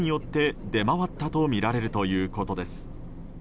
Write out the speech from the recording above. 倒産したことによって出回ったとみられるということです。